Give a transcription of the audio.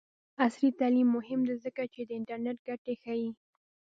عصري تعلیم مهم دی ځکه چې د انټرنټ ګټې ښيي.